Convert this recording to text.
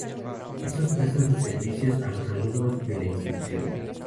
Estos prestan sus servicios a los alumnos de la Institución.